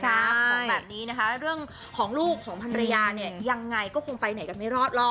ของแบบนี้นะคะเรื่องของลูกของพันรยาเนี่ยยังไงก็คงไปไหนกันไม่รอดหรอก